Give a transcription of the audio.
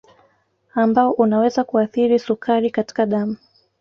Ambao unaweza kuathiri sukari katika damu